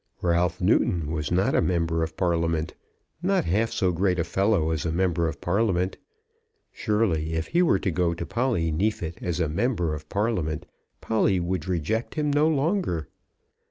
Ralph Newton was not a member of Parliament; not half so great a fellow as a member of Parliament. Surely if he were to go to Polly Neefit as a member of Parliament Polly would reject him no longer!